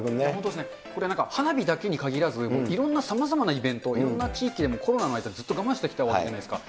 これね、花火だけにかぎらず、いろんなさまざまなイベント、いろんな地域でもコロナの間、ずっと我慢してきたわけじゃないですか。